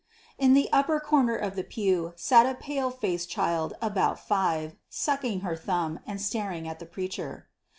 In the upper corner of the pew sat a pale faced child about five, sucking her thumb, and staring at the preacher.